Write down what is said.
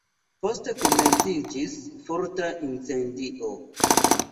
Poste komenciĝis forta incendio.